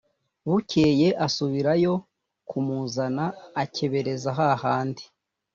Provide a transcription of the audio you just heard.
bukeye asubirayo kumuzana akebereza ha handi